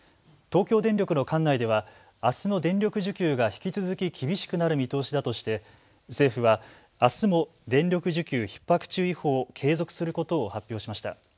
東京電力の管内ではあすの電力需給が引き続き厳しくなる見通しだとして政府はあすも電力需給ひっ迫注意報を継続することを発表しました。